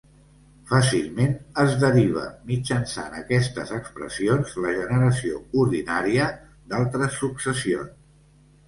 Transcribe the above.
Fàcilment es deriva, mitjançant aquestes expressions, la generació ordinària d'altres successions.